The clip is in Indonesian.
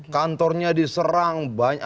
kantornya diserang banyak